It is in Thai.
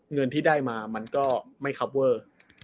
เงินที่ได้มามันก็ไม่คับเวอร์